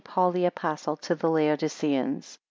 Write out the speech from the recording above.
PAUL THE APOSTLE TO THE LAODICEANS.